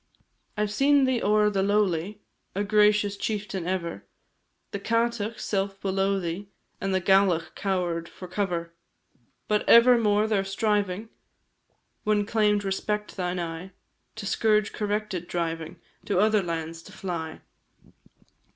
I 've seen thee o'er the lowly, A gracious chieftain ever, The Cátach self below thee, And the Gallach cower'd for cover; But ever more their striving, When claim'd respect thine eye, Thy scourge corrected, driving To other lands to fly.